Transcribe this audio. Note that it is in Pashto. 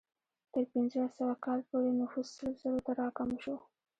تر پنځلس سوه کال پورې نفوس سل زرو ته راکم شو.